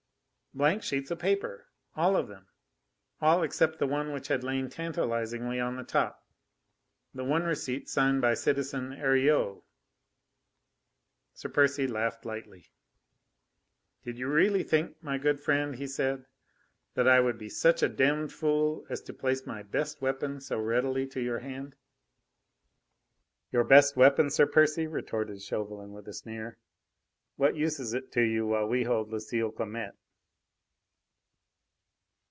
Blank sheets of paper, all of them all except the one which had lain tantalisingly on the top: the one receipt signed by citizen Heriot. Sir Percy laughed lightly: "Did you really think, my good friend," he said, "that I would be such a demmed fool as to place my best weapon so readily to your hand?" "Your best weapon, Sir Percy!" retorted Chauvelin, with a sneer. "What use is it to you while we hold Lucile Clamette?"